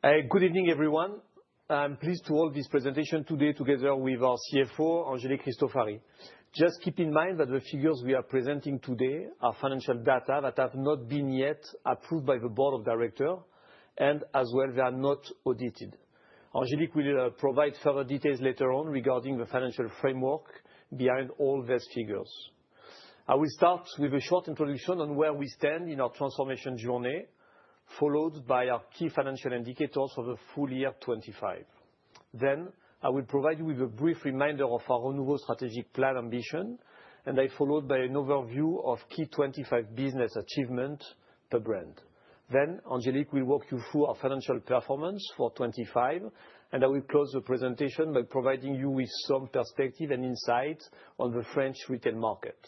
Good evening, everyone. I'm pleased to hold this presentation today together with our CFO, Angélique Cristofari. Just keep in mind that the figures we are presenting today are financial data that have not been yet approved by the board of director and as well, they are not audited. Angélique will provide further details later on regarding the financial framework behind all these figures. I will start with a short introduction on where we stand in our transformation journey, followed by our key financial indicators for the full year 2025. I will provide you with a brief reminder of our Renouveau strategic plan ambition, and then followed by an overview of key 2025 business achievement per brand. Then Angélique will walk you through our financial performance for 2025, and I will close the presentation by providing you with some perspective and insight on the French retail market.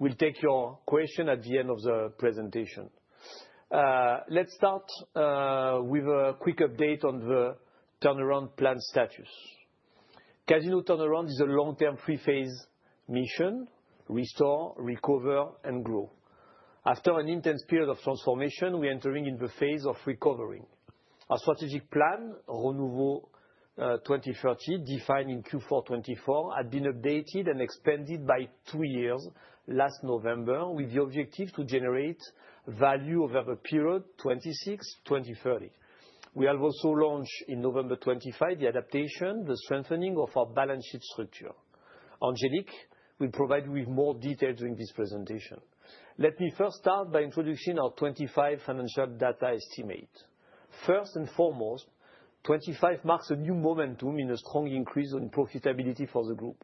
We'll take your question at the end of the presentation. Let's start with a quick update on the turnaround plan status. Casino turnaround is a long-term, three-phase mission, restore, recover, and grow. After an intense period of transformation, we're entering in the phase of recovering. Our strategic plan, Renouveau 2030, defined in Q4 2024, had been updated and expanded by two years last November with the objective to generate value over the period 2026-2030. We have also launched in November 2025, the adaptation, the strengthening of our balance sheet structure. Angélique will provide you with more detail during this presentation. Let me first start by introducing our 2025 financial data estimate. First and foremost, 2025 marks a new momentum in a strong increase in profitability for the group.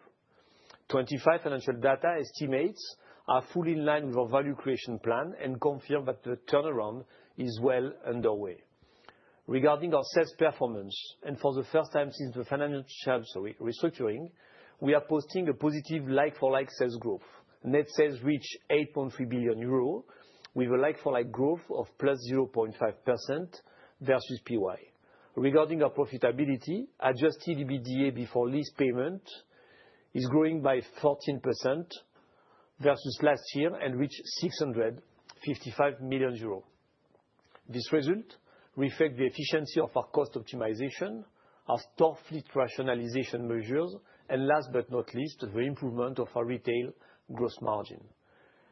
2025 financial data estimates are fully in line with our value creation plan and confirm that the turnaround is well underway. Regarding our sales performance, and for the first time since the financial restructuring, we are posting a positive like-for-like sales growth. Net sales reach 8.3 billion euro with a like-for-like growth of +0.5% versus PY. Regarding our profitability, Adjusted EBITDA before lease payment is growing by 14% versus last year and reached 655 million euros. This result reflects the efficiency of our cost optimization, our store fleet rationalization measures, and last but not least, the improvement of our retail gross margin.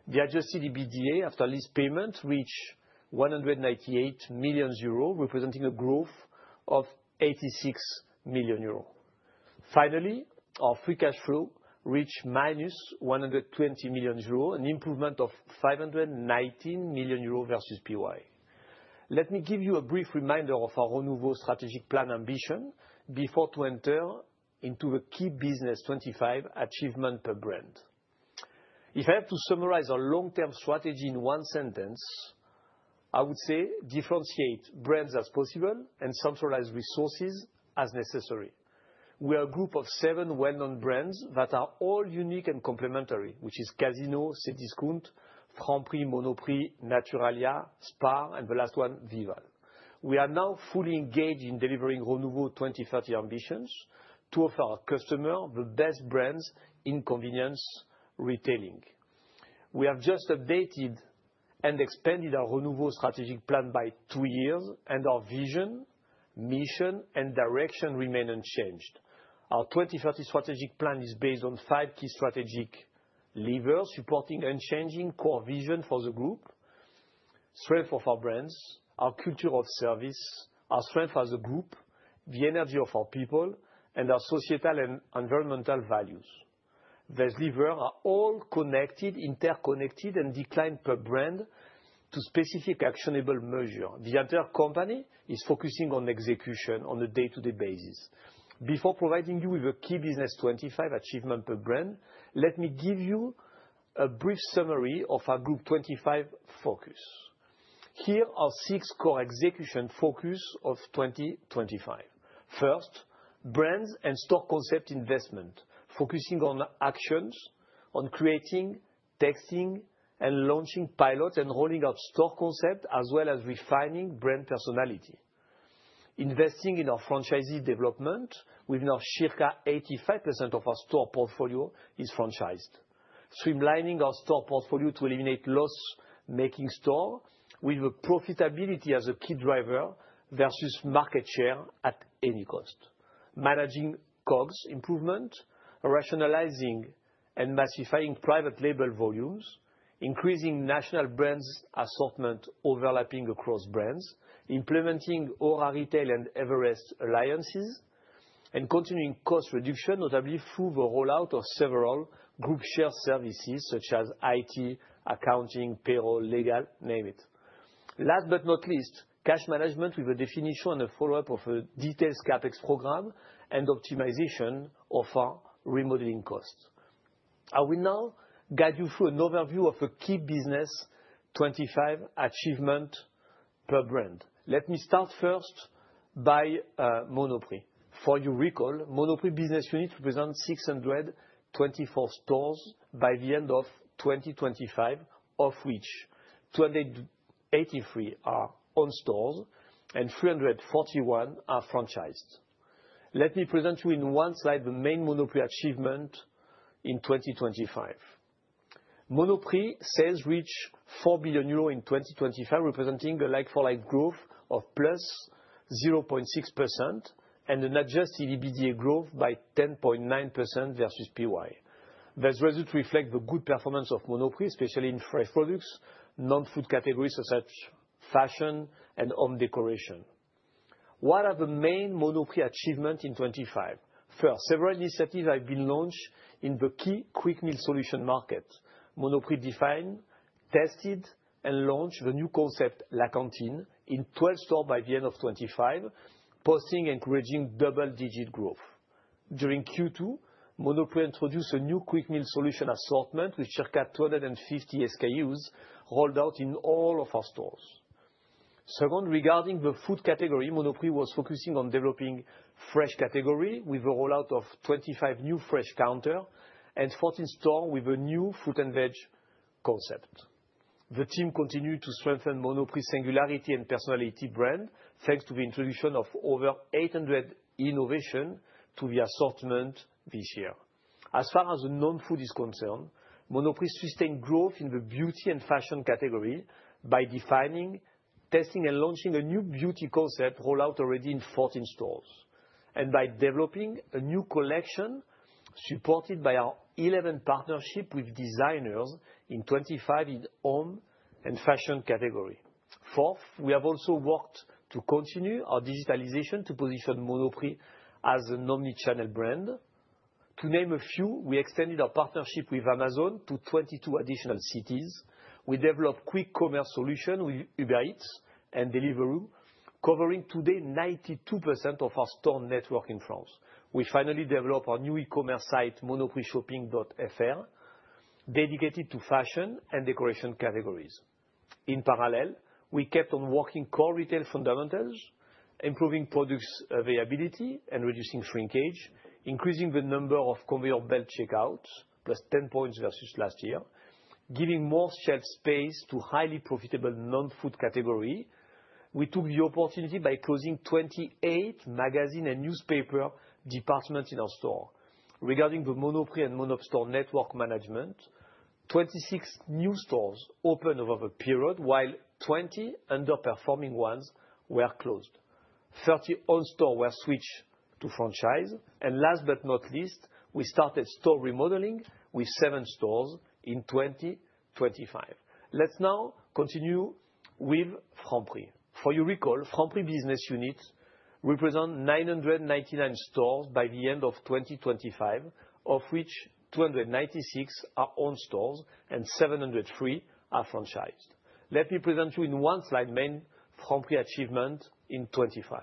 The Adjusted EBITDA after lease payment reaches 198 million euro, representing a growth of 86 million euro. Finally, our free cash flow reached -120 million euro, an improvement of 519 million euro versus PY. Let me give you a brief reminder of our Renouveau strategic plan ambition before to enter into the key business 2025 achievement per brand. If I have to summarize our long-term strategy in one sentence, I would say differentiate brands as possible and centralize resources as necessary. We are a group of seven well-known brands that are all unique and complementary, which is Casino, Cdiscount, Franprix, Monoprix, Naturalia, Spar, and the last one, Vival. We are now fully engaged in delivering Renouveau 2030 ambitions to offer our customer the best brands in convenience retailing. We have just updated and expanded our Renouveau strategic plan by two years, and our vision, mission, and direction remain unchanged. Our 2030 strategic plan is based on five key strategic levers supporting unchanging core vision for the group. Strength of our brands, our culture of service, our strength as a group, the energy of our people, and our societal and environmental values. These levers are all connected, interconnected, and declined per brand to specific actionable measure. The entire company is focusing on execution on a day-to-day basis. Before providing you with a key business FY 2025 achievement per brand, let me give you a brief summary of our Group FY 2025 focus. Here are six core execution focus of 2025. First, brands and store concept investment, focusing on actions, on creating, testing, and launching pilots, and rolling out store concept, as well as refining brand personality. Investing in our franchisees' development with now circa 85% of our store portfolio is franchised. Streamlining our store portfolio to eliminate loss-making store with the profitability as a key driver versus market share at any cost. Managing COGS improvement, rationalizing and massifying private label volumes, increasing national brands assortment overlapping across brands, implementing Aura Retail and Everest alliances, and continuing cost reduction, notably through the rollout of several group shared services such as IT, accounting, payroll, legal, name it. Last but not least, cash management with a definition and a follow-up of a detailed CapEx program and optimization of our remodeling costs. I will now guide you through an overview of the key business 2025 achievement per brand. Let me start first by Monoprix. For your recall, Monoprix business unit represents 624 stores by the end of 2025, of which 283 are owned stores and 341 are franchised. Let me present you in one slide the main Monoprix achievement in 2025. Monoprix sales reached 4 billion euros in 2025, representing a like-for-like growth of +0.6% and an Adjusted EBITDA growth by 10.9% versus PY. This result reflects the good performance of Monoprix, especially in fresh products, non-food categories, such as fashion and home decoration. What are the main Monoprix achievements in 2025? First, several initiatives have been launched in the key quick meal solutions market. Monoprix defined, tested, and launched the new concept, La Cantine, in 12 stores by the end of 2025, posting encouraging double-digit growth. During Q2, Monoprix introduced a new quick meal solution assortment with circa 250 SKUs, rolled out in all of our stores. Second, regarding the food category, Monoprix was focusing on developing the fresh category with the rollout of 25 new fresh counters in 14 stores with a new fruit and veg concept. The team continued to strengthen Monoprix singularity and personality brand, thanks to the introduction of over 800 innovations to the assortment this year. As far as the non-food is concerned, Monoprix sustained growth in the beauty and fashion category by defining, testing, and launching a new beauty concept rollout already in 14 stores. By developing a new collection supported by our 11 partnerships with designers in 2025 in home and fashion category. Fourth, we have also worked to continue our digitalization to position Monoprix as an omni-channel brand. To name a few, we extended our partnership with Amazon to 22 additional cities. We developed quick commerce solution with Uber Eats and Deliveroo, covering today 92% of our store network in France. We finally developed our new e-commerce site, monoprixshopping.fr, dedicated to fashion and decoration categories. In parallel, we kept on working core retail fundamentals, improving products availability and reducing shrinkage, increasing the number of conveyor belt checkouts, plus 10 points versus last year, giving more shelf space to highly profitable non-food category. We took the opportunity by closing 28 magazine and newspaper departments in our store. Regarding the Monoprix and Monop' store network management, 26 new stores opened over the period while 20 underperforming ones were closed. 30 owned stores were switched to franchise. Last but not least, we started store remodeling with 7 stores in 2025. Let's now continue with Franprix. For your recall, Franprix business units represent 999 stores by the end of 2025, of which 296 are owned stores and 703 are franchised. Let me present you in one slide main Franprix achievement in 2025.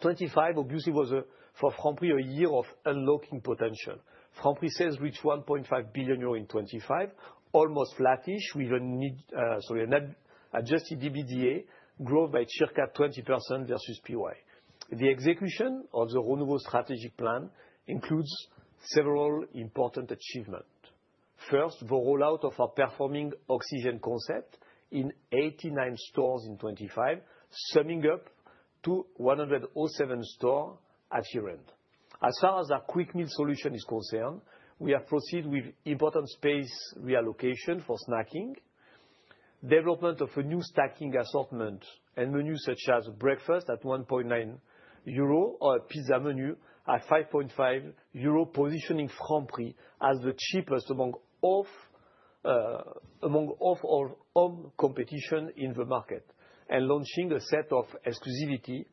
2025 obviously was, for Franprix, a year of unlocking potential. Franprix sales reached 1.5 billion euro in 2025, almost flattish with an Adjusted EBITDA growth by circa 20% versus PY. The execution of the Renouveau strategic plan includes several important achievements. First, the rollout of our performing Oxygène concept in 89 stores in 2025, summing up to 107 stores at year-end. As far as our quick meal solution is concerned, we have proceeded with important space reallocation for snacking, development of a new snacking assortment and menus such as breakfast at 1.9 euro or a pizza menu at 5.5 euro, positioning Franprix as the cheapest among all our home competition in the market, and launching a set of exclusivity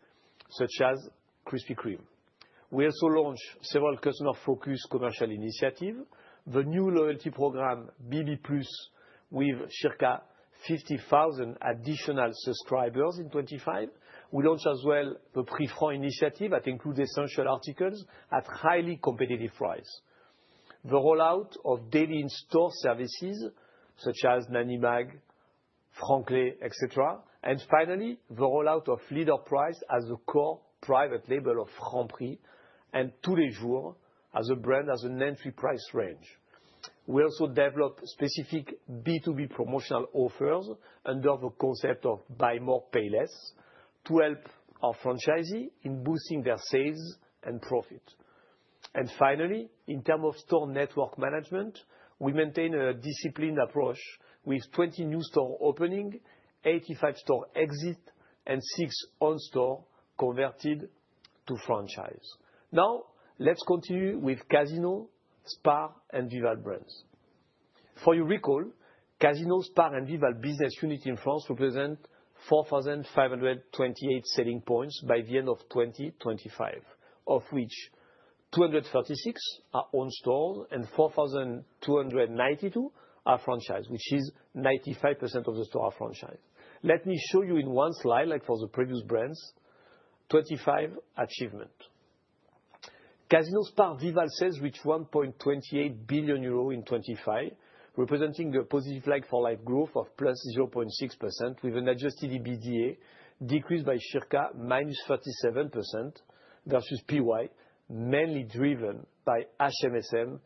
such as Krispy Kreme. We also launched several customer-focused commercial initiatives. The new loyalty program, BiB+, with circa 50,000 additional subscribers in 2025. We launched as well the prix francs initiative that includes essential articles at highly competitive price. The rollout of daily in-store services such as Nannybag, Franpclés, et cetera. Finally, the rollout of Leader Price as a core private label of Franprix and Tous les Jours as a brand as an entry price range. We also developed specific B2B promotional offers under the concept of buy more, pay less, to help our franchisee in boosting their sales and profit. Finally, in terms of store network management, we maintain a disciplined approach with 20 new store openings, 85 store exits, and six owned stores converted to franchise. Now, let's continue with Casino, Spar, and Vival brands. For your recall, Casino, Spar, and Vival business units in France represent 4,528 selling points by the end of 2025, of which 236 are owned stores and 4,292 are franchised, which is 95% of the stores are franchised. Let me show you in one slide, like for the previous brands, 2025 achievement. Casino, Spar, Vival sales reached 1.28 billion euros in 2025, representing a positive like-for-like growth of +0.6% with an Adjusted EBITDA decreased by circa -37% versus PY, mainly driven by HMSM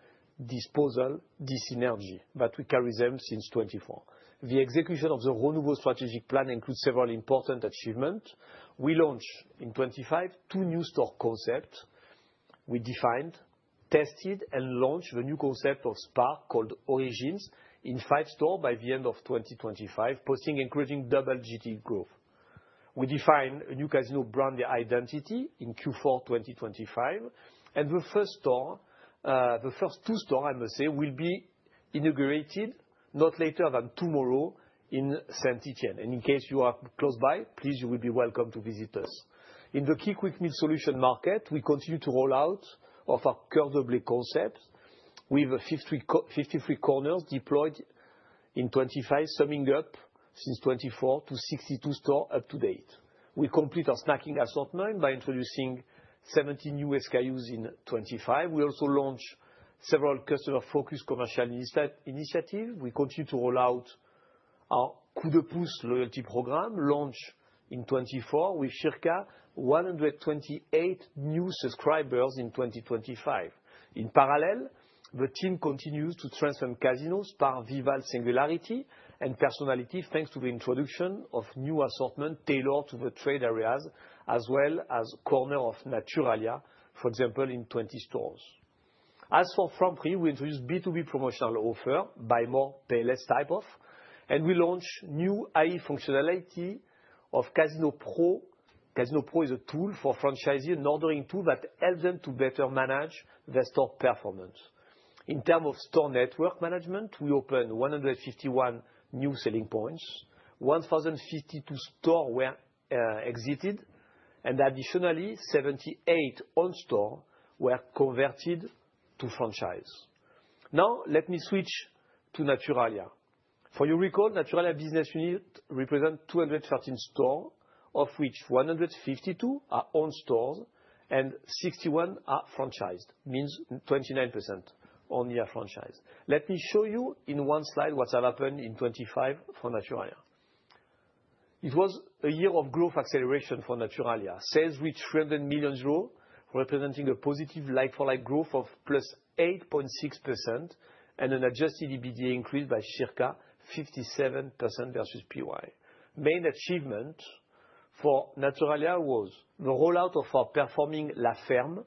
disposal dyssynergy, that we carry them since 2024. The execution of the Renouveau strategic plan includes several important achievements. We launched in 2025 two new store concepts. We defined, tested, and launched the new concept of Spar, called Origins, in five stores by the end of 2025, posting including double-digit growth. We define a new Casino brand identity in Q4 2025, and the first two stores will be inaugurated not later than tomorrow in Saint-Étienne. In case you are close by, please, you will be welcome to visit us. In the key quick meal solution market, we continue to roll out of our Curvably concept. We have 53 corners deployed in 2025, summing up since 2024 to 62 stores up to date. We complete our snacking assortment by introducing 17 new SKUs in 2025. We also launch several customer-focused commercial initiatives. We continue to roll out our loyalty program, launched in 2024, with circa 128 new subscribers in 2025. In parallel, the team continues to transform Casino's power, Vival singularity, and personality, thanks to the introduction of new assortment tailored to the trade areas, as well as corner of Naturalia, for example, in 20 stores. As for Franprix, we introduced B2B promotional offer, buy more, pay less type offer, and we launch new AI functionality of Casino Pro. Casino Pro is a tool for franchising, an ordering tool that helps them to better manage their store performance. In terms of store network management, we opened 151 new selling points, 1,052 stores were exited, and additionally, 78 owned stores were converted to franchise. Now, let me switch to Naturalia. As you recall, Naturalia business unit represents 213 stores, of which 152 are owned stores and 61 are franchised, meaning 29% only are franchised. Let me show you in one slide what has happened in 2025 for Naturalia. It was a year of growth acceleration for Naturalia. Sales reached 300 million euros, representing a positive like-for-like growth of +8.6%, and an Adjusted EBITDA increased by circa 57% versus PY. Main achievement for Naturalia was the rollout of our performing La Ferme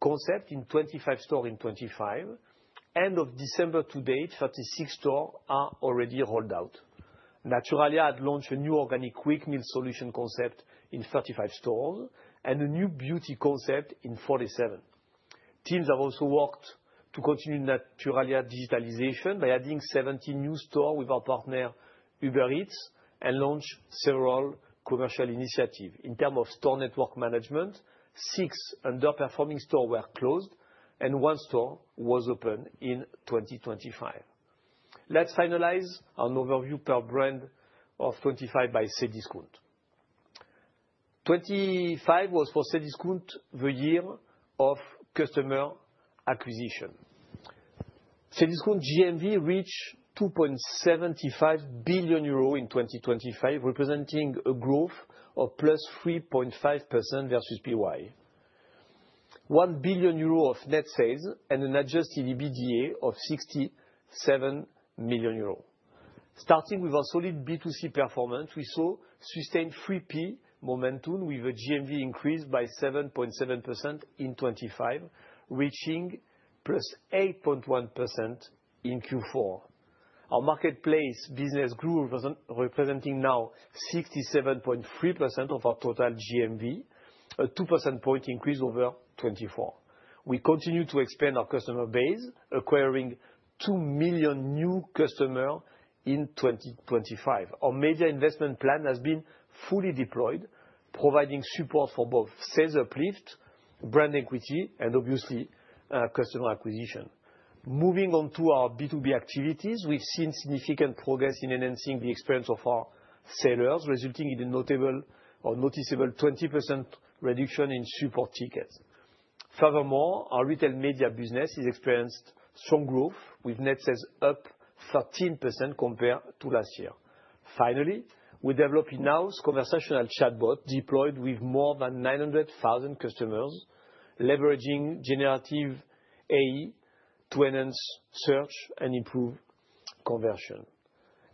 concept in 25 stores in 2025. End of December to date, 36 stores are already rolled out. Naturalia had launched a new organic quick meal solution concept in 35 stores and a new beauty concept in 47. Teams have also worked to continue Naturalia digitalization by adding 17 new stores with our partner Uber Eats and launched several commercial initiatives. In terms of store network management, six underperforming stores were closed, and one store was opened in 2025. Let's finalize an overview per brand of 2025 by Cdiscount. 2025 was for Cdiscount the year of customer acquisition. Cdiscount GMV reached 2.75 billion euros in 2025, representing a growth of +3.5% versus PY. 1 billion euro of net sales and an Adjusted EBITDA of 67 million euro. Starting with our solid B2C performance, we saw sustained 3P momentum with a GMV increase by 7.7% in 2025, reaching +8.1% in Q4. Our marketplace business grew, representing now 67.3% of our total GMV, a 2 percentage point increase over 2024. We continue to expand our customer base, acquiring 2 million new customer in 2025. Our major investment plan has been fully deployed, providing support for both sales uplift, brand equity, and obviously, customer acquisition. Moving on to our B2B activities, we've seen significant progress in enhancing the experience of our sellers, resulting in a notable or noticeable 20% reduction in support tickets. Furthermore, our retail media business has experienced strong growth with net sales up 13% compared to last year. Finally, we develop in-house conversational chatbot deployed with more than 900,000 customers, leveraging generative AI to enhance search and improve conversion.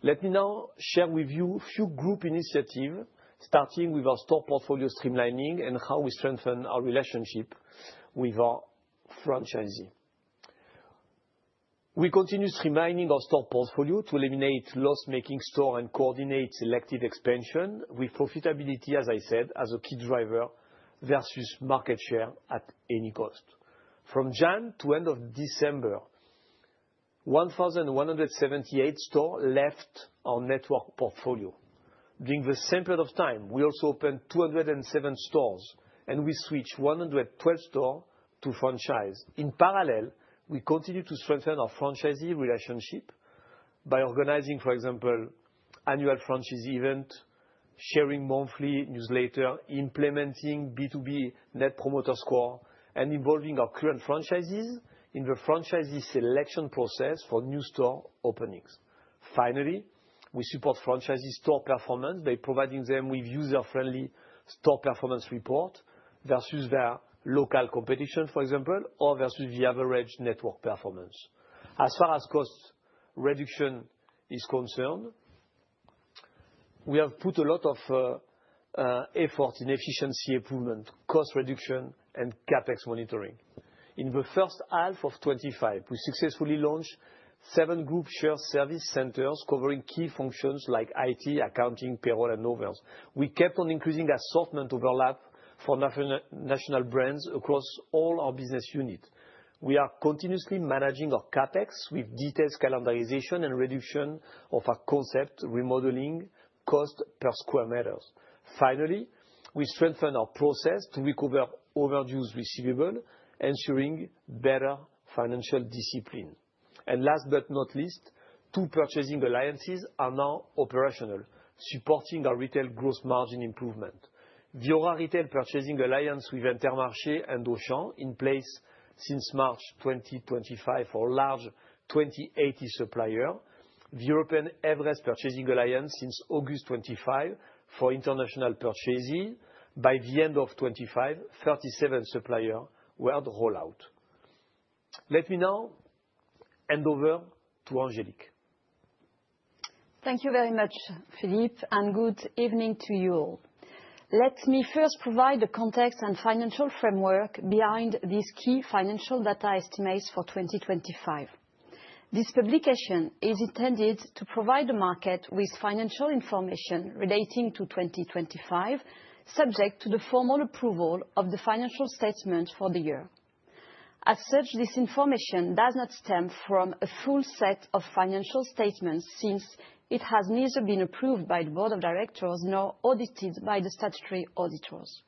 Let me now share with you a few group initiatives, starting with our store portfolio streamlining and how we strengthen our relationship with our franchisee. We continue streamlining our store portfolio to eliminate loss-making store and coordinate selective expansion with profitability, as I said, as a key driver versus market share at any cost. From January to end of December, 1,178 stores left our network portfolio. During the same period of time, we also opened 207 stores, and we switched 112 stores to franchise. In parallel, we continue to strengthen our franchisee relationship by organizing, for example, annual franchisee event, sharing monthly newsletter, implementing B2B Net Promoter Score, and involving our current franchises in the franchisee selection process for new store openings. Finally, we support franchisees' store performance by providing them with user-friendly store performance report versus their local competition, for example, or versus the average network performance. As far as cost reduction is concerned, we have put a lot of effort in efficiency improvement, cost reduction, and CapEx monitoring. In the first half of 2025, we successfully launched seven group shared service centers covering key functions like IT, accounting, payroll, and others. We kept on increasing assortment overlap for national brands across all our business units. We are continuously managing our CapEx with detailed calendarization and reduction of our concept remodeling cost per square meters. Finally, we strengthen our process to recover overdue receivables, ensuring better financial discipline. Last but not least, two purchasing alliances are now operational, supporting our retail gross margin improvement. The Aura Retail purchasing alliance with Intermarché and Auchan in place since March 2025 for large 20/80 suppliers. The European Everest purchasing alliance since August 2025 for international purchasing. By the end of 2025, 37 suppliers were at rollout. Let me now hand over to Angélique. Thank you very much, Philippe, and good evening to you all. Let me first provide the context and financial framework behind these key financial data estimates for 2025. This publication is intended to provide the market with financial information relating to 2025, subject to the formal approval of the financial statement for the year. As such, this information does not stem from a full set of financial statements, since it has neither been approved by the board of directors, nor audited by the statutory auditors.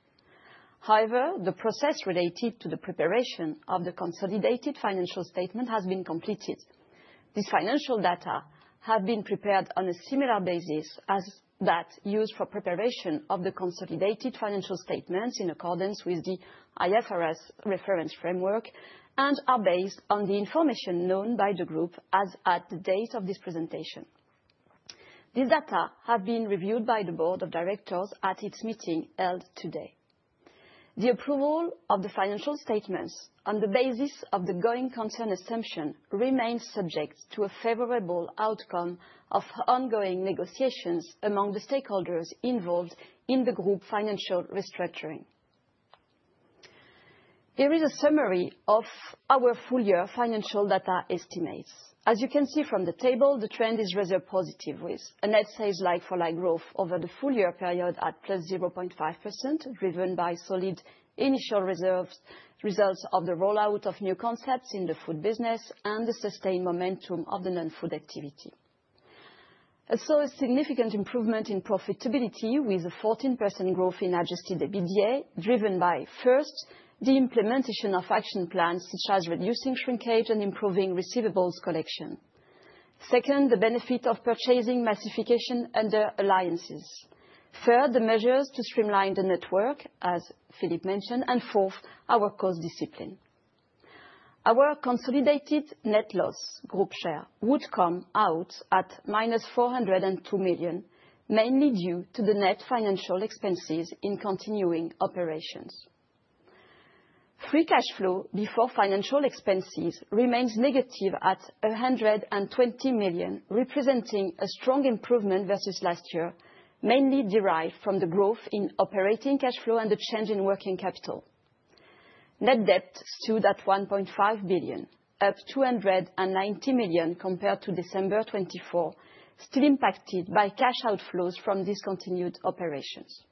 However, the process related to the preparation of the consolidated financial statement has been completed. This financial data have been prepared on a similar basis as that used for preparation of the consolidated financial statements in accordance with the IFRS reference framework, and are based on the information known by the group as at the date of this presentation. This data have been reviewed by the board of directors at its meeting held today. The approval of the financial statements on the basis of the going concern assumption remains subject to a favorable outcome of ongoing negotiations among the stakeholders involved in the group financial restructuring. Here is a summary of our full year financial data estimates. As you can see from the table, the trend is rather positive, with a net sales like-for-like growth over the full year period at +0.5%, driven by solid initial results of the rollout of new concepts in the food business and the sustained momentum of the non-food activity. I saw a significant improvement in profitability with a 14% growth in Adjusted EBITDA, driven by, first, the implementation of action plans, such as reducing shrinkage and improving receivables collection. Second, the benefit of purchasing massification under alliances. Third, the measures to streamline the network, as Philippe mentioned. Fourth, our cost discipline. Our consolidated net loss group share would come out at -402 million, mainly due to the net financial expenses in continuing operations. Free cash flow before financial expenses remains negative at 120 million, representing a strong improvement versus last year, mainly derived from the growth in operating cash flow and the change in working capital. Net debt stood at 1.5 billion, up 290 million compared to December 2024, still impacted by cash outflows from discontinued operations.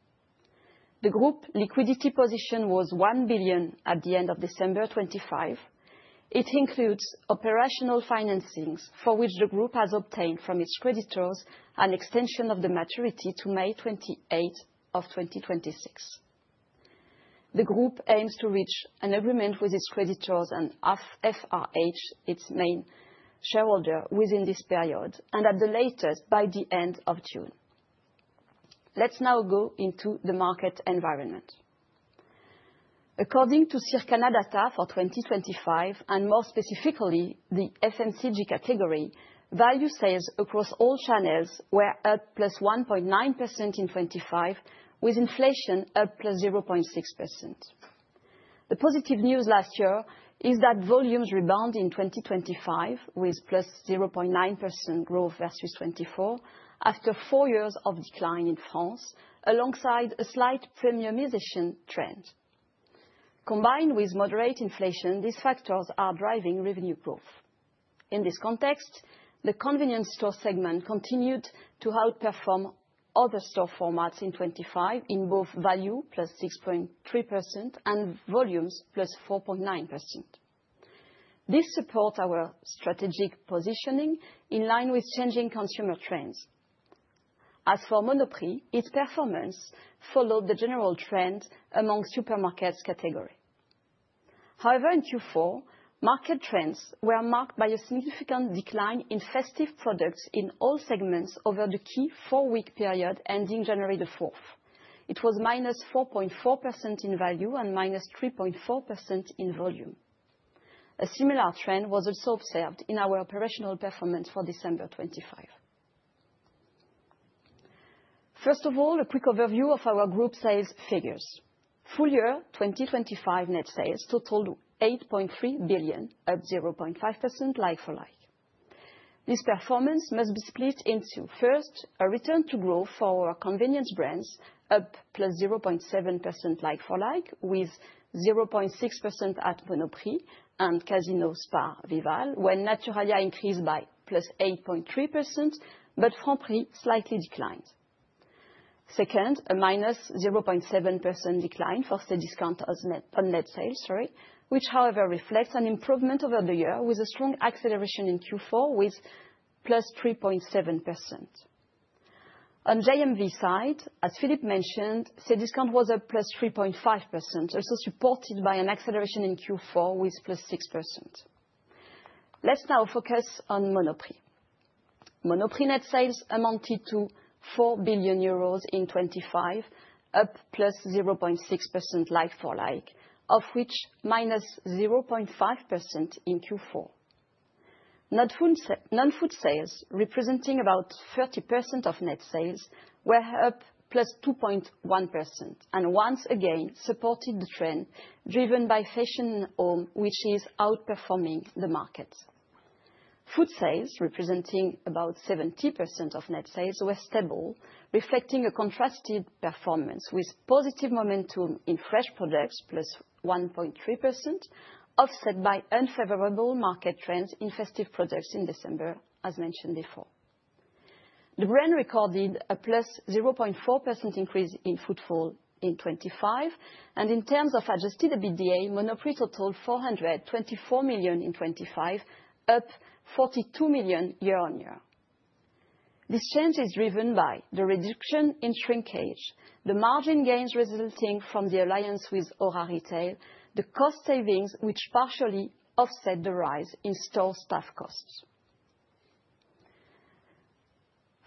The group liquidity position was 1 billion at the end of December 2025. It includes operational financings for which the group has obtained from its creditors an extension of the maturity to May 28th of 2026. The group aims to reach an agreement with its creditors and FRH, its main shareholder, within this period, and at the latest by the end of June. Let's now go into the market environment. According to Circana data for 2025, and more specifically, the FMCG category, value sales across all channels were up +1.9% in 2025, with inflation up +0.6%. The positive news last year is that volumes rebound in 2025 with +0.9% growth versus 2024, after four years of decline in France, alongside a slight premiumization trend. Combined with moderate inflation, these factors are driving revenue growth. In this context, the convenience store segment continued to outperform other store formats in 2025 in both value, +6.3%, and volumes, +4.9%. This support our strategic positioning in line with changing consumer trends. As for Monoprix, its performance followed the general trend among supermarkets category. However, in Q4, market trends were marked by a significant decline in festive products in all segments over the key four-week period ending January the 4th. It was -4.4% in value and -3.4% in volume. A similar trend was also observed in our operational performance for December 2025. First of all, a quick overview of our group sales figures. Full year 2025 net sales totaled 8.3 billion, up +0.5% like-for-like. This performance must be split into, first, a return to growth for our convenience brands, up +0.7% like-for-like, with +0.6% at Monoprix, Casino, Spar, Vival, where Naturalia increased by +8.3%, but Franprix slightly declined. Second, a -0.7% decline for the Cdiscount on net sales, sorry, which however reflects an improvement over the year with a strong acceleration in Q4 with +3.7%. On JMV side, as Philippe mentioned, Cdiscount was at +3.5%, also supported by an acceleration in Q4 with +6%. Let's now focus on Monoprix. Monoprix net sales amounted to 4 billion euros in 2025, up +0.6% like-for-like, of which -0.5% in Q4. Non-food sales, representing about 30% of net sales, were up +2.1% and once again supported the trend driven by fashion and home, which is outperforming the market. Food sales, representing about 70% of net sales, were stable, reflecting a contrasted performance with positive momentum in fresh products, +1.3%, offset by unfavorable market trends in festive products in December, as mentioned before. The brand recorded a +0.4% increase in footfall in 2025. In terms of Adjusted EBITDA, Monoprix totaled 424 million in 2025, up 42 million year-on-year. This change is driven by the reduction in shrinkage, the margin gains resulting from the alliance with Aura Retail, the cost savings which partially offset the rise in store staff costs.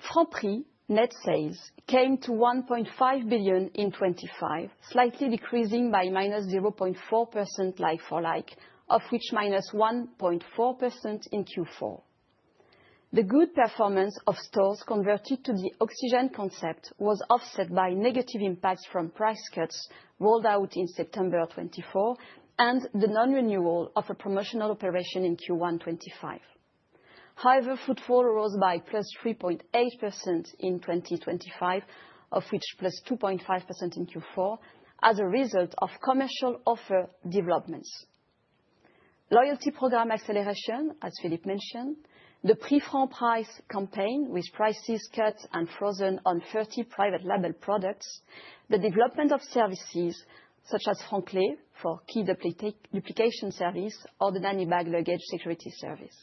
Franprix net sales came to 1.5 billion in 2025, slightly decreasing by -0.4% like-for-like, of which -1.4% in Q4. The good performance of stores converted to the Oxygène concept was offset by negative impacts from price cuts rolled out in September of 2024, and the non-renewal of a promotional operation in Q1 2025. However, footfall rose by +3.8% in 2025, of which +2.5% in Q4, as a result of commercial offer developments. Loyalty program acceleration, as Philippe mentioned, the prix francs campaign with prices cut and frozen on 30 private-label products, the development of services such as Franpclés for key duplication service, or the Nannybag luggage security service.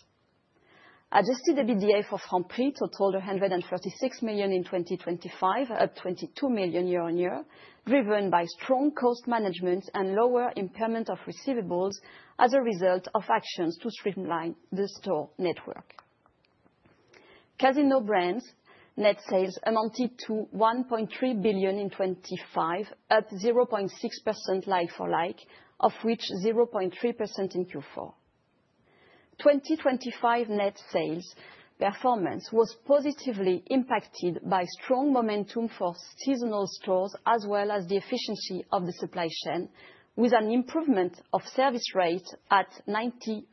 Adjusted EBITDA for Franprix totaled 136 million in 2025, up 22 million year-on-year, driven by strong cost management and lower impairment of receivables as a result of actions to streamline the store network. Casino brands net sales amounted to 1.3 billion in 2025, up 0.6% like-for-like, of which 0.3% in Q4. 2025 net sales performance was positively impacted by strong momentum for seasonal stores, as well as the efficiency of the supply chain, with an improvement of service rate at 94.9%,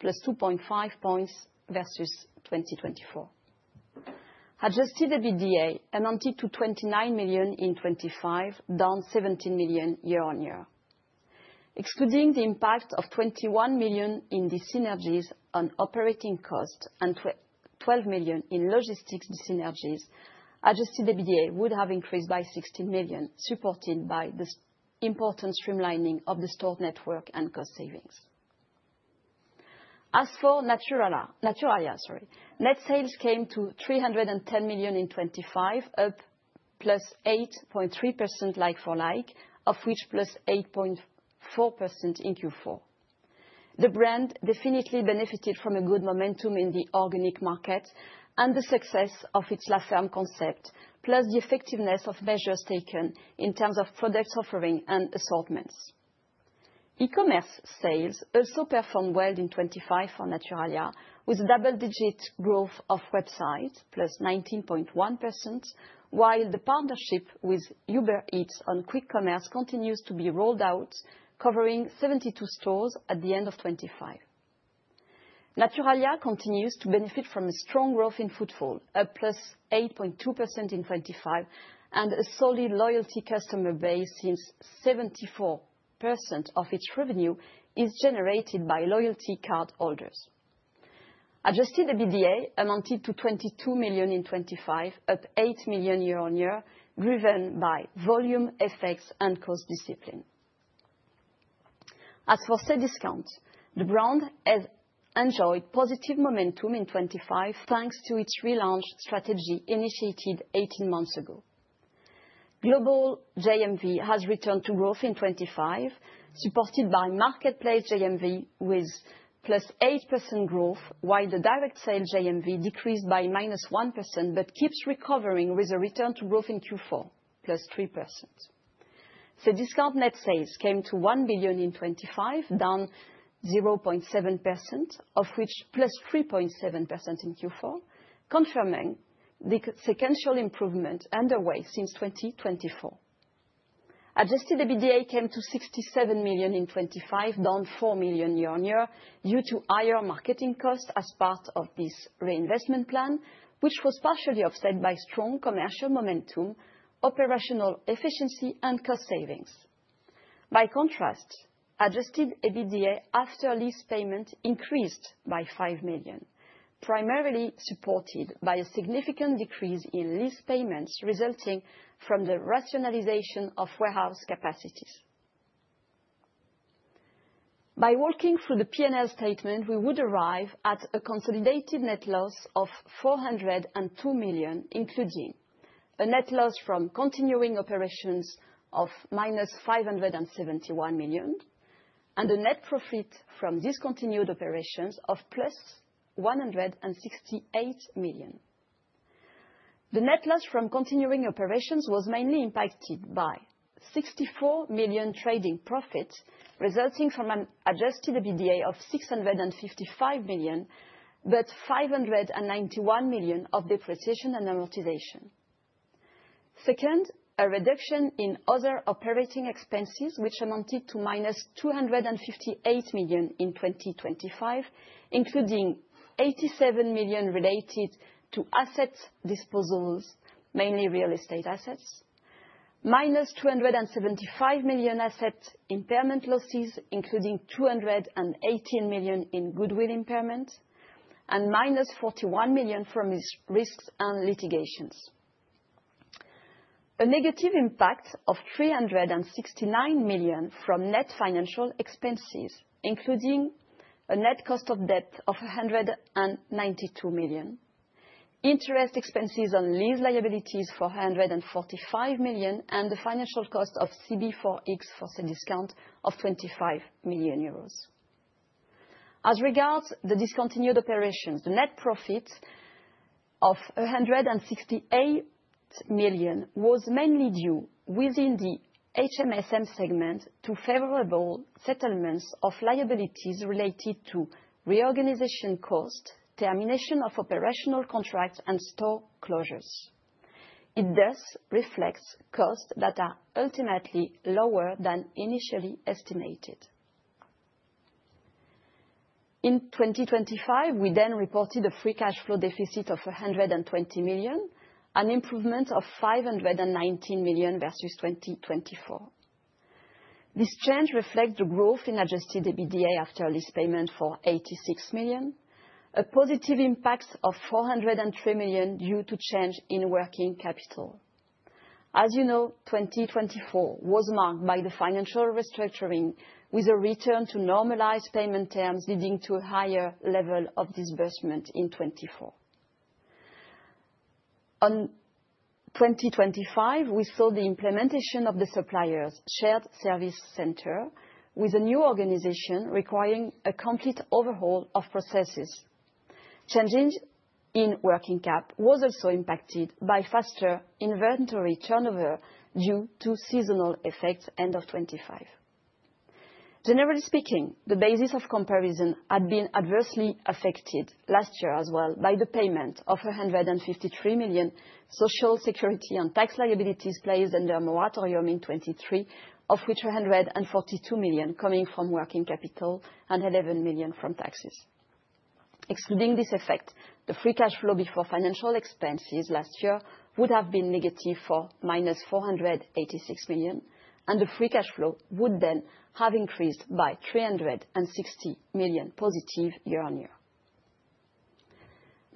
+2.5 points versus 2024. Adjusted EBITDA amounted to 29 million in 2025, down 17 million year-on-year. Excluding the impact of 21 million in the synergies on operating costs and 12 million in logistics synergies, Adjusted EBITDA would have increased by 60 million, supported by the important streamlining of the store network and cost savings. As for Naturalia, net sales came to 310 million in 2025, up +8.3% like-for-like, of which +8.4% in Q4. The brand definitely benefited from a good momentum in the organic market and the success of its La Ferme concept, plus the effectiveness of measures taken in terms of product offering and assortments. E-commerce sales also performed well in 2025 for Naturalia, with double-digit growth of website, +19.1%, while the partnership with Uber Eats on quick commerce continues to be rolled out, covering 72 stores at the end of 2025. Naturalia continues to benefit from a strong growth in footfall, up +8.2% in 2025, and a solid loyalty customer base, since 74% of its revenue is generated by loyalty card holders. Adjusted EBITDA amounted to 22 million in 2025, up 8 million year-on-year, driven by volume effects and cost discipline. As for Cdiscount, the brand has enjoyed positive momentum in 2025, thanks to its relaunch strategy initiated 18 months ago. Global GMV has returned to growth in 2025, supported by marketplace GMV with +8% growth, while the direct sales GMV decreased by -1% but keeps recovering with a return to growth in Q4, +3%. The discount net sales came to 1 billion in 2025, down 0.7%, of which +3.7% in Q4, confirming the sequential improvement underway since 2024. Adjusted EBITDA came to 67 million in 2025, down 4 million year-on-year due to higher marketing costs as part of this reinvestment plan, which was partially offset by strong commercial momentum, operational efficiency, and cost savings. By contrast, Adjusted EBITDA after lease payment increased by 5 million, primarily supported by a significant decrease in lease payments resulting from the rationalization of warehouse capacities. By working through the P&L statement, we would arrive at a consolidated net loss of 402 million, including a net loss from continuing operations of -571 million and a net profit from discontinued operations of +168 million. The net loss from continuing operations was mainly impacted by 64 million trading profit, resulting from an Adjusted EBITDA of 655 million, but 591 million of depreciation and amortization. Second, a reduction in other operating expenses, which amounted to -258 million in 2025, including 87 million related to asset disposals, mainly real estate assets, -275 million asset impairment losses, including 218 million in goodwill impairment, and -41 million from risks and litigations. A negative impact of 369 million from net financial expenses, including a net cost of debt of 192 million, interest expenses on lease liabilities, 445 million, and the financial cost of CB4X for sale discount of 25 million euros. As regards the discontinued operations, the net profit of 168 million was mainly due within the HMSM segment to favorable settlements of liabilities related to reorganization cost, termination of operational contracts, and store closures. It does reflect costs that are ultimately lower than initially estimated. In 2025, we reported a free cash flow deficit of 120 million, an improvement of 519 million versus 2024. This change reflects the growth in Adjusted EBITDA after lease payment for 86 million, a positive impact of 403 million due to change in working capital. As you know, 2024 was marked by the financial restructuring with a return to normalized payment terms, leading to a higher level of disbursement in 2024. In 2025, we saw the implementation of the suppliers' shared service center with a new organization requiring a complete overhaul of processes. Changes in working cap were also impacted by faster inventory turnover due to seasonal effects end of 2025. Generally speaking, the basis of comparison had been adversely affected last year as well by the payment of 153 million social security and tax liabilities placed under moratorium in 2023, of which 142 million coming from working capital and 11 million from taxes. Excluding this effect, the free cash flow before financial expenses last year would have been negative for minus 486 million, and the free cash flow would then have increased by 360 million positive year-on-year.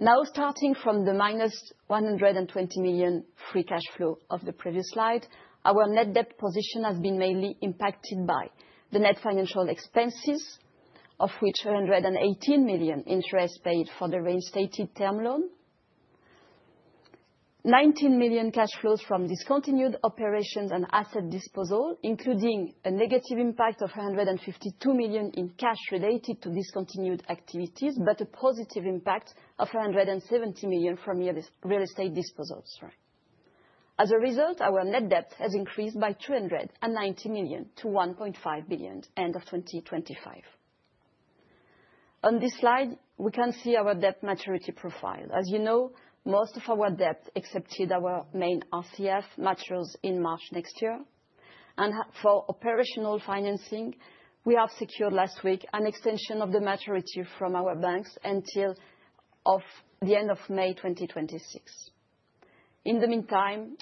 Now starting from the -120 million free cash flow of the previous slide, our net debt position has been mainly impacted by the net financial expenses, of which 118 million interest paid for the restated term loan, 19 million cash flows from discontinued operations and asset disposal, including a negative impact of 152 million in cash related to discontinued activities, but a positive impact of 170 million from real estate disposals. As a result, our net debt has increased by 290 millio-EUR 1.5 billion end of 2025. On this slide, we can see our debt maturity profile. As you know, most of our debt except our main RCF matures in March next year. For operational financing, we have secured last week an extension of the maturity from our banks until the end of May 2026. In the meantime,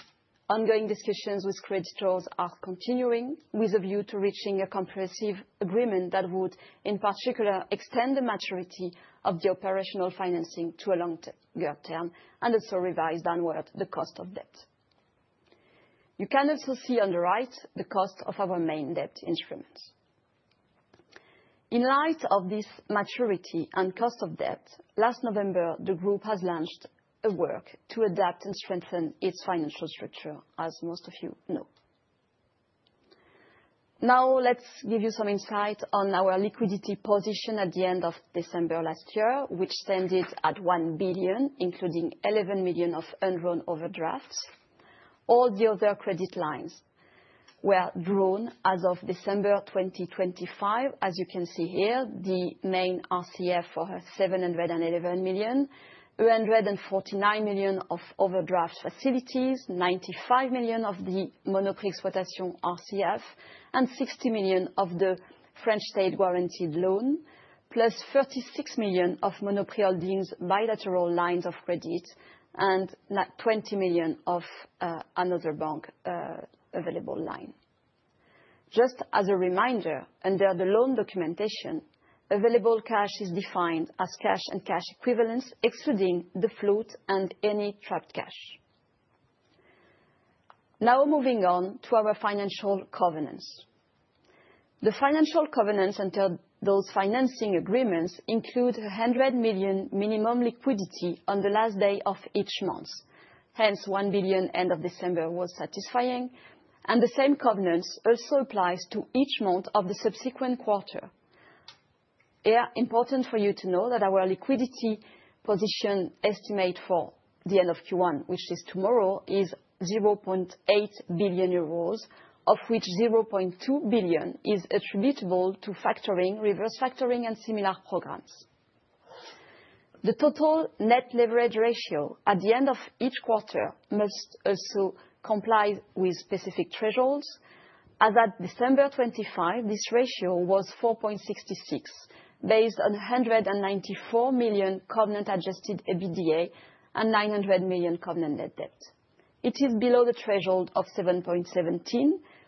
ongoing discussions with creditors are continuing with a view to reaching a comprehensive agreement that would, in particular, extend the maturity of the operational financing to a longer term and also revise downward the cost of debt. You can also see on the right the cost of our main debt instruments. In light of this maturity and cost of debt, last November, the group has launched a work to adapt and strengthen its financial structure, as most of you know. Now let's give you some insight on our liquidity position at the end of December last year, which ended at 1 billion, including 11 million of undrawn overdrafts. All the other credit lines were drawn as of December 2023. As you can see here, the main RCF for 711 million, 249 million of overdraft facilities, 95 million of the Monoprix Exploitation RCF, and 60 million of the French state-guaranteed loan, plus 36 million of Monoprix's bilateral lines of credit, and 20 million of another bank available line. Just as a reminder, under the loan documentation, available cash is defined as cash and cash equivalents, excluding the float and any trapped cash. Now moving on to our financial covenants. The financial covenants under those financing agreements include 100 million minimum liquidity on the last day of each month. Hence, 1 billion end of December was satisfying, and the same covenants also applies to each month of the subsequent quarter. Important for you to know that our liquidity position estimate for the end of Q1, which is tomorrow, is 0.8 billion euros, of which 0.2 billion is attributable to factoring, reverse factoring, and similar programs. The total net leverage ratio at the end of each quarter must also comply with specific thresholds. As at December 25, 2023, this ratio was 4.66, based on 194 million covenant Adjusted EBITDA and 900 million covenant net debt. It is below the threshold of 7.17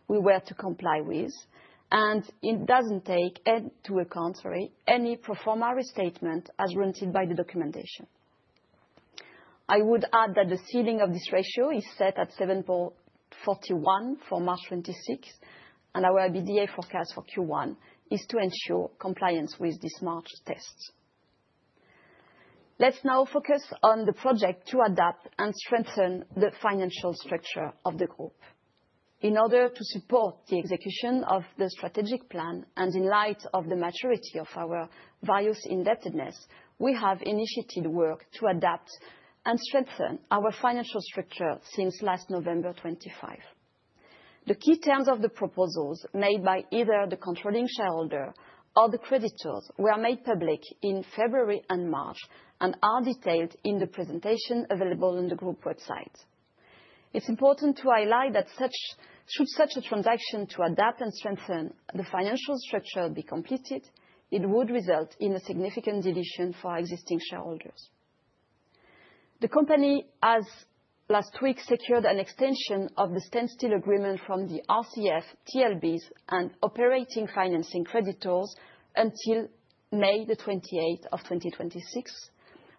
we were to comply with, and it doesn't take into account any pro forma restatement, as warranted by the documentation. I would add that the ceiling of this ratio is set at 7.41 for March 2026, and our EBITDA forecast for Q1 is to ensure compliance with these March tests. Let's now focus on the project to adapt and strengthen the financial structure of the group. In order to support the execution of the strategic plan, and in light of the maturity of our various indebtedness, we have initiated work to adapt and strengthen our financial structure since last November 25. The key terms of the proposals made by either the controlling shareholder or the creditors were made public in February and March, and are detailed in the presentation available on the group website. It's important to highlight that should such a transaction to adapt and strengthen the financial structure be completed, it would result in a significant dilution for our existing shareholders. The company has last week secured an extension of the standstill agreement from the RCF, TLBs, and operating financing creditors until May 28, 2026.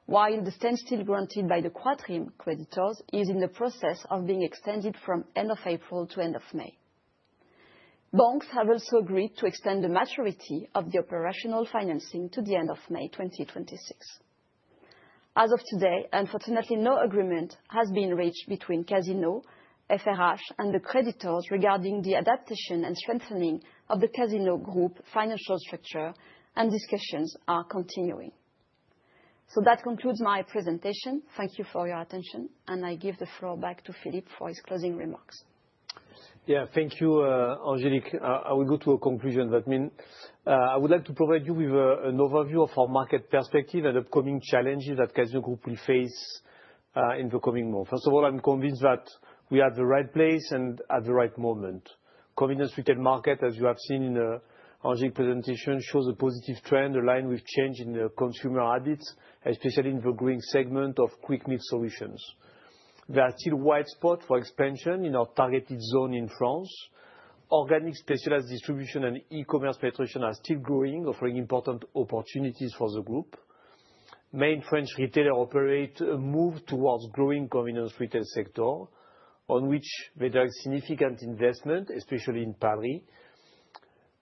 While the standstill granted by the Quatrim creditors is in the process of being extended from end of April to end of May. Banks have also agreed to extend the maturity of the operational financing to the end of May 2026. As of today, unfortunately, no agreement has been reached between Casino, FRH, and the creditors regarding the adaptation and strengthening of the Casino Group financial structure, and discussions are continuing. That concludes my presentation. Thank you for your attention, and I give the floor back to Philippe for his closing remarks. Yeah. Thank you, Angélique. I will go to a conclusion. That means, I would like to provide you with an overview of our market perspective and upcoming challenges that Casino Group will face in the coming month. First of all, I'm convinced that we are at the right place and at the right moment. Convenience retail market, as you have seen in Angélique's presentation, shows a positive trend aligned with change in the consumer habits, especially in the growing segment of quick meal solutions. There are still wide scope for expansion in our targeted zone in France. Organic specialized distribution and e-commerce penetration are still growing, offering important opportunities for the group. Many French retailers operate a move towards growing convenience retail sector, on which they do a significant investment, especially in Paris.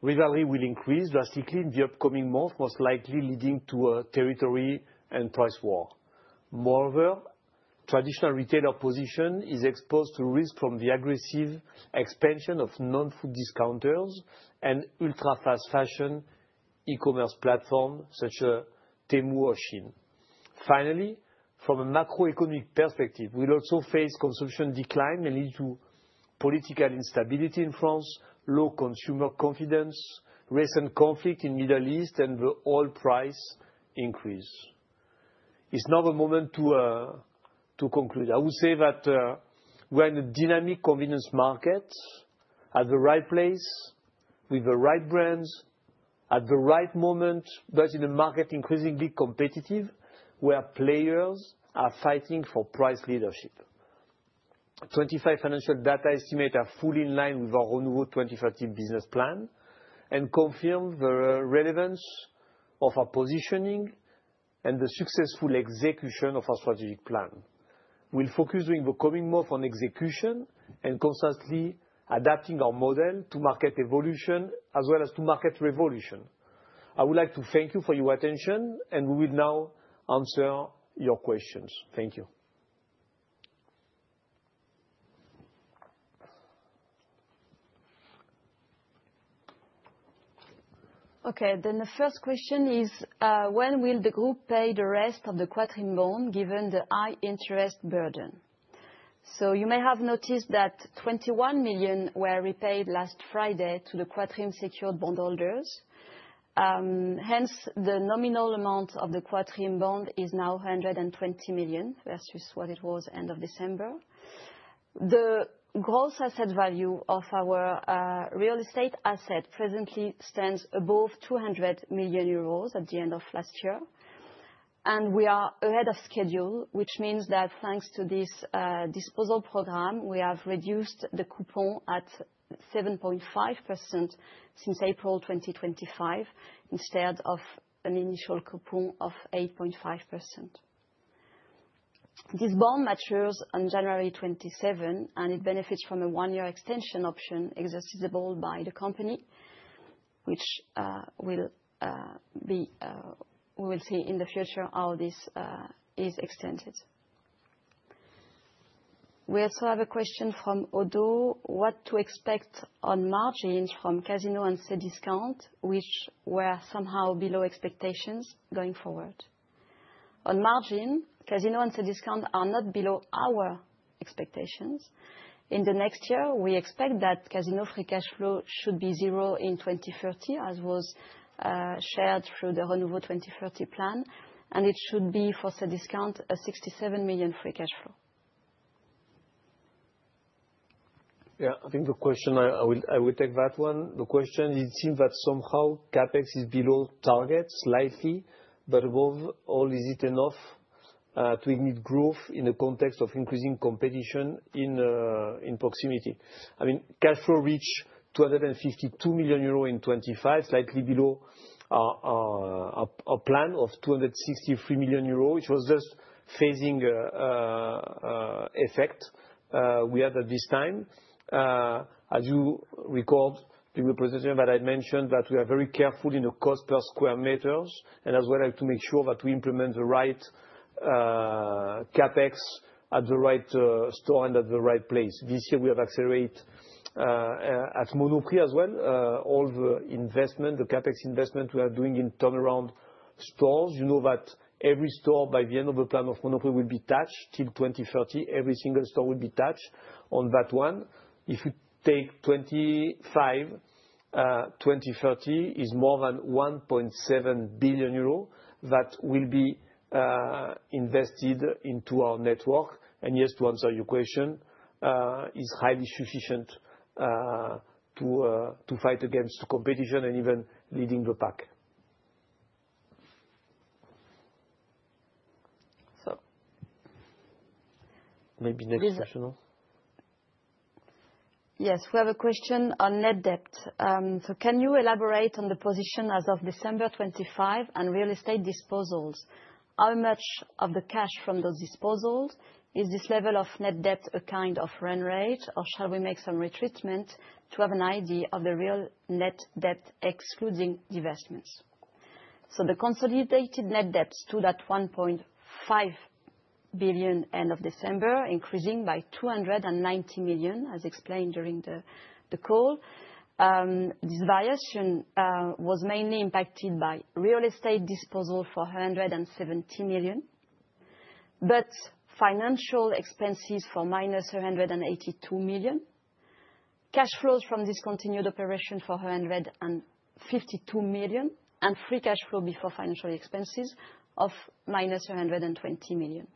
Rivalry will increase drastically in the upcoming month, most likely leading to a territory and price war. Moreover, traditional retailer position is exposed to risk from the aggressive expansion of non-food discounters and ultra-fast fashion e-commerce platforms such as Temu or Shein. Finally, from a macroeconomic perspective, we'll also face consumption decline that may lead to political instability in France, low consumer confidence, recent conflict in the Middle East, and the oil price increase. It's now the moment to conclude. I would say that we're in a dynamic convenience market at the right place with the right brands at the right moment. In a market increasingly competitive, where players are fighting for price leadership. 25 financial data estimates are fully in line with our Renouveau 2030 business plan, and confirm the relevance of our positioning and the successful execution of our strategic plan. We'll focus in the coming months on execution and constantly adapting our model to market evolution as well as to market revolution. I would like to thank you for your attention, and we will now answer your questions. Thank you. Okay. The first question is, when will the group pay the rest of the Quatrim bond, given the high interest burden? So you may have noticed that 21 million were repaid last Friday to the Quatrim secured bond holders. Hence, the nominal amount of the Quatrim bond is now 120 million versus what it was end of December. The gross asset value of our real estate asset presently stands above 200 million euros at the end of last year. We are ahead of schedule, which means that thanks to this disposal program, we have reduced the coupon at 7.5% since April 2025, instead of an initial coupon of 8.5%. This bond matures on January 27, and it benefits from a one-year extension option exercisable by the company, which we will see in the future how this is extended. We also have a question from ODDO, "What to expect on margins from Casino and Cdiscount, which were somehow below expectations going forward?" On margin, Casino and Cdiscount are not below our expectations. In the next year, we expect that Casino free cash flow should be 0 in 2030, as was shared through the Renouveau 2030 plan, and it should be for Cdiscount, 67 million free cash flow. Yeah, I think the question. I will take that one. The question, it seems that somehow CapEx is below target slightly, but above all, is it enough to ignite growth in the context of increasing competition in proximity? I mean, cash flow reached 252 million euro in 2025, slightly below our plan of 263 million euro, which was just phasing effect we had at this time. As you recall, the renovation that I mentioned, that we are very careful in the cost per square meters, and as well as to make sure that we implement the right CapEx at the right store and at the right place. This year, we have accelerate, at Monoprix as well, all the investment, the CapEx investment we are doing in turnaround stores. You know that every store by the end of the plan of Monoprix will be touched till 2030. Every single store will be touched on that one. If you take 2025, 2030 is more than 1.7 billion euro that will be invested into our network. Yes, to answer your question, it is highly sufficient to fight against competition and even leading the pack. So... Maybe next question. Yes. We have a question on net debt. Can you elaborate on the position as of December 2025 and real estate disposals? How much of the cash from those disposals is this level of net debt a kind of run rate, or shall we make some adjustment to have an idea of the real net debt excluding divestments? The consolidated net debt stood at 1.5 billion end of December 2025, increasing by 290 million as explained during the call. This variation was mainly impacted by real estate disposal for 170 million, but financial expenses for -782 million, cash flows from discontinued operation for 152 million, and free cash flow before financial expenses of -120 million.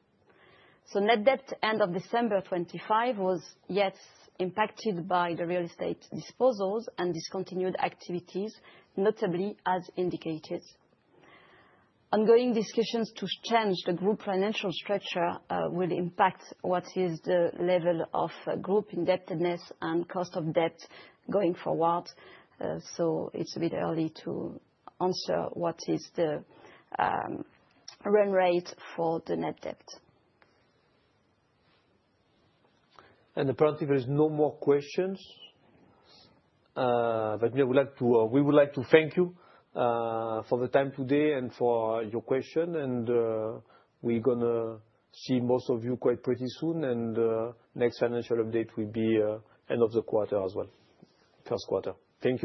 Net debt end of December 2025 was, yes, impacted by the real estate disposals and discontinued activities, notably as indicated. Ongoing discussions to change the group financial structure will impact what is the level of group indebtedness and cost of debt going forward. It's a bit early to answer what is the run rate for the net debt. Apparently, there is no more questions. We would like to thank you for the time today and for your question. We're gonna see most of you quite pretty soon. Next financial update will be end of the quarter as well. First quarter. Thank you.